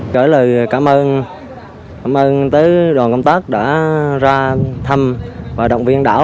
trời lời cảm ơn cảm ơn tới đoàn công tác đã ra thăm và động viên đảo